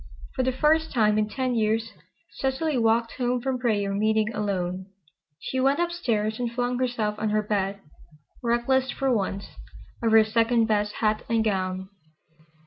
For the first time in ten years Cecily walked home from prayer meeting alone. She went up stairs and flung herself on her bed, reckless for once, of her second best hat and gown.